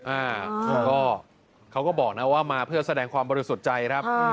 อ่าก็เขาก็บอกนะว่ามาเพื่อแสดงความบริสุทธิ์ใจครับ